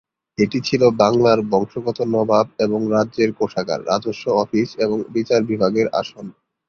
এটি ছিল বাংলার বংশগত নবাব এবং রাজ্যের কোষাগার, রাজস্ব অফিস এবং বিচার বিভাগের আসন।